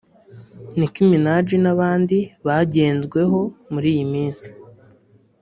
Nicki Minaj n’abandi bagenzweho muri iyi minsi